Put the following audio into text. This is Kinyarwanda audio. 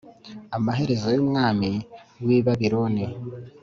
Amaherezo y’umwami w’i Babiloni